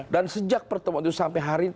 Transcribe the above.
dan sejak pertemuan itu sampai hari ini